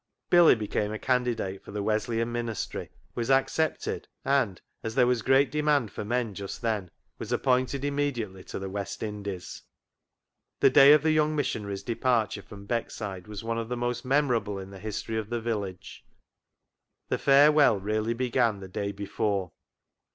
Billy became a candidate for the Wesleyan ministry, was accepted, and, as there was great demand for men just then, was appointed immediately to the West Indies. BILLY BOTCH 51 The day of the young missionary's depar ture from Beckside was one of the most memorable in the history of the village. The farewell really began the day before.